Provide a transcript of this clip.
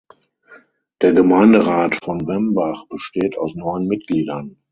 Der Gemeinderat von Wembach besteht aus neun Mitgliedern.